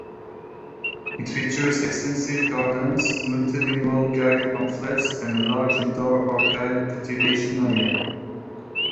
It features extensive gardens, multi-lingual guide pamphlets, and a large indoor orchid cultivation area.